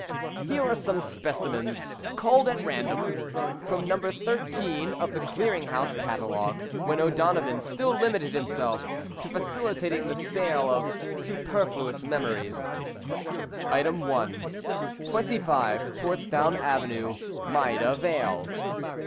Here are some specimens culled at random from No. 13 of the Clearing House catalogue when O'Donovan still limited himself to facilitating the sale of superfluous memories: 1. 25, Portsdown Avenue, Maida. Vale.